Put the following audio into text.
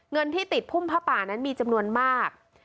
เงินที่ติดพุ่มผ้าป่านั้นมีจำนวนมาก